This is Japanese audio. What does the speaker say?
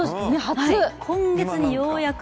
今月にようやく。